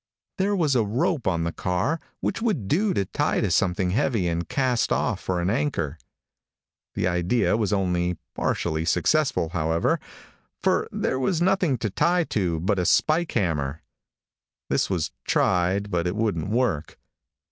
There was a rope on the car which would do to tie to something heavy and cast off for an anchor. The idea was only partially successful, however, for there was nothing to tie to but a spike hammer. This was tried but it wouldn't work.